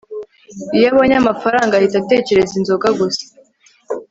iyo abonye amafaranga ahita atekereza inzoga gusa